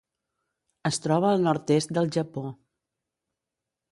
Es troba al nord-est del Japó.